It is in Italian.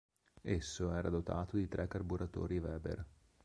Esso era dotato di tre carburatori Weber.